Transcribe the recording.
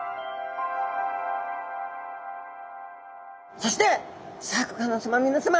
そしてシャーク香音さま皆さま！